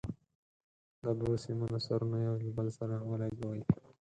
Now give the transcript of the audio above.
د دوو سیمونو سرونه یو له بل سره ولګوئ.